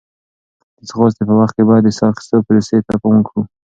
د ځغاستې په وخت کې باید د ساه اخیستو پروسې ته پام وکړو.